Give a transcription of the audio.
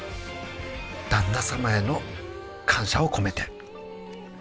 「旦那様への感謝を込めて」